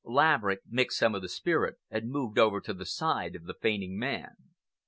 Laverick mixed some of the spirit, and moved over to the side of the fainting man.